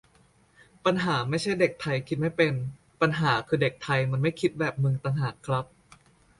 "ปัญหาไม่ใช่เด็กไทยคิดไม่เป็น ปัญหาคือเด็กไทยมันไม่คิดแบบมึงต่างหากครับ"